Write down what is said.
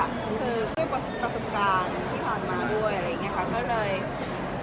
เพราะว่าคือด้วยประสบการณ์ที่ผ่านมาด้วยอะไรอย่างเงี้ยค่ะ